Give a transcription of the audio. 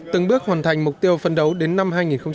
từng bước hoàn thành mục tiêu phân đấu đến năm hai nghìn hai mươi năm